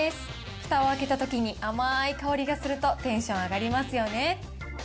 ふたを開けたときに甘い香りがすると、テンション上がりますよね。